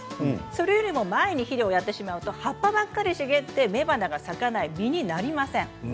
それより前に肥料をやってしまうと葉っぱばっかり茂って雌花が咲か実になりません。